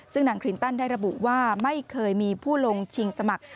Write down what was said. ซึ่งนางคลินตันได้ระบุว่าไม่เคยมีผู้ลงชิงสมัคร